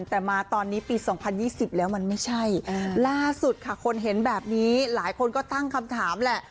แต่มาตอนนี้ปี๒๐๒๐แล้วมันไม่ใช่ล่าสุดค่ะคนเห็นแบบนี้หลายคนก็ตั้งคำถามแหละ